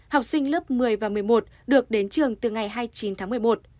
học sinh lớp một mươi và một mươi một được đến trường từ ngày hai mươi chín tháng một mươi một